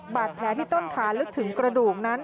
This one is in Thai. บาดแผลที่ต้นขาลึกถึงกระดูกนั้น